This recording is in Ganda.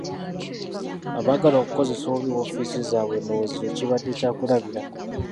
Abaagala okukozesa obubi woofiisi zaabwe ndowozza ekyo kibade kyakulabirako.